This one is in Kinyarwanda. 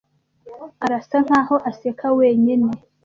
Arasa nkaho aseka wenyine.